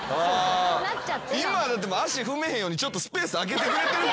今だって足踏めへんようにちょっとスペース空けてくれて。